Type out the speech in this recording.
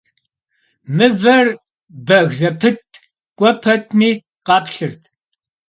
Mıver beg zepıtt, k'ue petmi kheplhırt.